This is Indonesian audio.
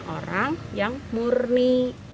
lima orang yang murni